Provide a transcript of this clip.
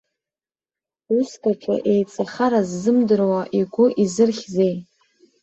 Уск аҿы еиҵахара ззымдыруа, игәы изырхьзеи?